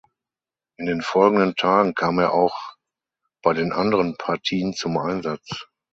In den folgenden Tagen kam er auch bei den anderen Partien zum Einsatz.